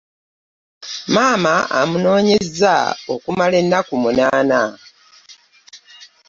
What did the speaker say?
Maama amunoonyezza okumala ennaku munaana.